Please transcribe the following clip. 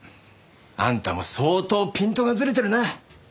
あんたも相当ピントがずれてるな。